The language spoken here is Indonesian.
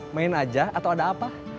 main aja atau ada apa